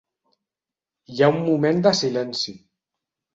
Hi ha un moment de silenci.